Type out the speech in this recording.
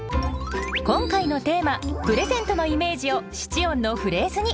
今回のテーマ「プレゼント」のイメージを七音のフレーズに。